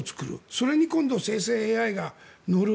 それに今度は生成ＡＩが乗る。